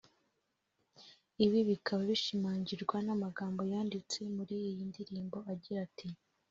Ibi bikaba bishimangirwa n’amagambo yanditse muri iyi ndirimbo agira ati